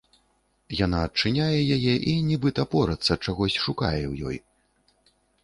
Яна адчыняе яе і нібыта порацца, чагось шукае ў ёй.